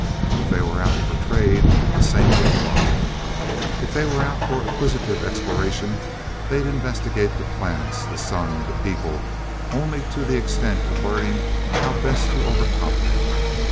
If they were out for trade, the same would apply. If they were out for acquisitive exploration, they'd investigate the planets, the sun, the people, only to the extent of learning how best to overcome them.